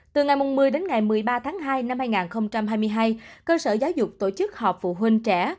từ ngày một mươi đến ngày một mươi ba tháng hai năm hai nghìn hai mươi hai cơ sở giáo dục tổ chức họp phụ huynh trẻ